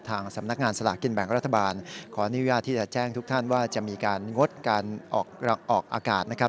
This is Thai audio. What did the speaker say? ทางสำนักงานสลากกินแบ่งรัฐบาลขออนุญาตที่จะแจ้งทุกท่านว่าจะมีการงดการออกอากาศนะครับ